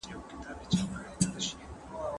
سياستپوهنه کومه تلپاتې او ثابته بنسټيزه هسته نه لري.